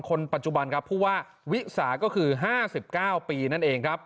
คนปัจจุบันครับผู้ว่าวิสาก็คือ๕๙ปีนั่นเองครับ